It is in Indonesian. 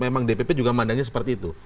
yang dpp juga pandangnya seperti itu